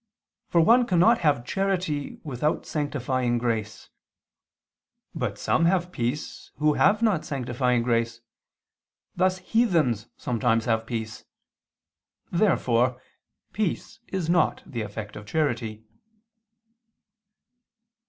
For one cannot have charity without sanctifying grace. But some have peace who have not sanctifying grace, thus heathens sometimes have peace. Therefore peace is not the effect of charity.